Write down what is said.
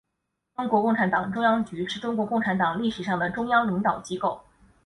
中国共产党中央局是中国共产党历史上的中央领导机构。